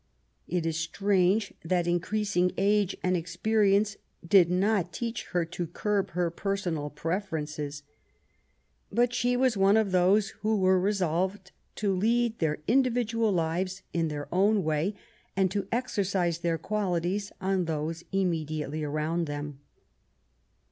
It is strange that increasing age and experience did not teach her to curb her personal preferences. But she was one of those who were resolved to lead their individual lives in their own way, and to exercise their qualities on those im mediately around them.